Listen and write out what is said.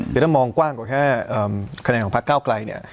แต่ถ้ามองกว้างกว่าแค่เข้าถากการปากก้าวไกลเนี่ย